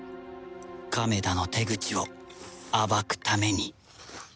亀田の手口を暴くために